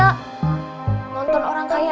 keadaan istri saya